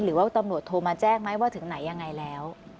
หรือว่าตำรวจโทรมาแจ้งไหมว่าถึงไหนยังไงแล้ว